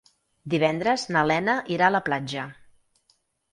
Divendres na Lena irà a la platja.